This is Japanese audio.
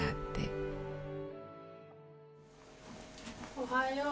おはよう。